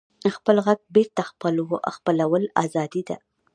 خپل غږ بېرته خپلول ازادي ده.